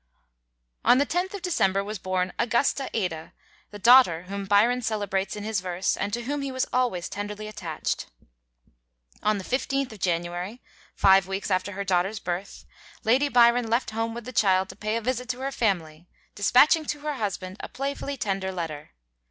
On the 10th of December was born Augusta Ada, the daughter whom Byron celebrates in his verse and to whom he was always tenderly attached. On the 15th of January, five weeks after her daughter's birth, Lady Byron left home with the child to pay a visit to her family, dispatching to her husband a playfully tender letter.